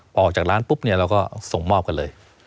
พอออกจากร้านปุ๊บเนี่ยเราก็ส่งมอบกันเลย